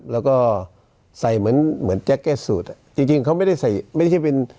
แล้วก็ใส่เหมือนเหมือนจริงจริงเขาไม่ได้ใส่ไม่ได้ใช่เป็น